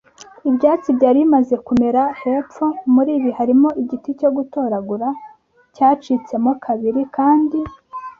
ibyatsi byari bimaze kumera hepfo. Muri ibi harimo igiti cyo gutoragura cyacitsemo kabiri kandi